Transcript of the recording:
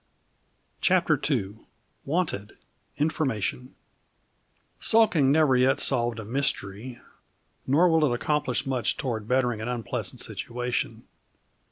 CHAPTER II Wanted: Information Sulking never yet solved a mystery nor will it accomplish much toward bettering an unpleasant situation.